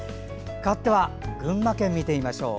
かわっては群馬県見てみましょう。